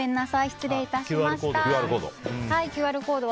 失礼いたしました。